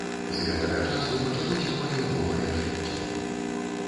З гэтага часу пачалося маё новае жыццё.